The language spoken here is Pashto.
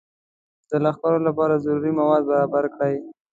د لښکر لپاره ضروري مواد برابر کړي.